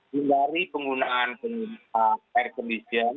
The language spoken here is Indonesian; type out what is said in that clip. jangan menggunakan air kondisi